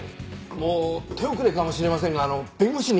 もう手遅れかもしれませんが弁護士に。